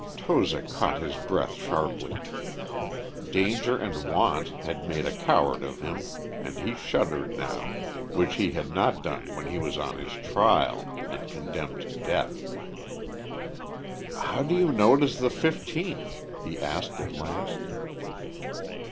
Toza caught his breath sharply. Danger and want had made a coward of him and he shuddered now, which he had not done when he was on his trial and condemned to death. "How do you know it is the fifteenth?" he asked at last.